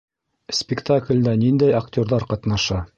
Спектаклдә ниндәй актерҙар ҡатнаша?